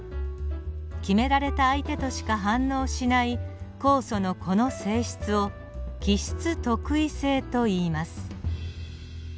決められた相手としか反応しない酵素のこの性質を基質特異性といいます。